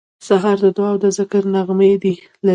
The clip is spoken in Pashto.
سهار د دعا او ذکر نغمې لري.